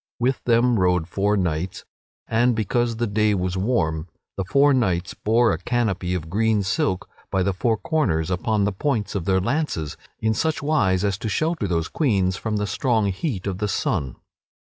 With them rode four knights, and, because the day was warm, the four knights bore a canopy of green silk by the four corners upon the points of their lances in such wise as to shelter those queens from the strong heat of the sun.